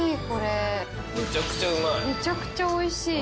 めちゃくちゃおいしい。